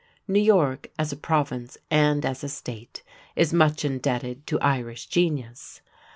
New York, as a Province and as a State, is much indebted to Irish genius.